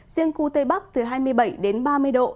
riêng khu tây bắc từ hai mươi bảy đến ba mươi độ